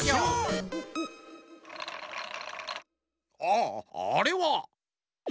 ああれは。